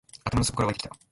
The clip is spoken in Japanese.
頭の底から湧いてきた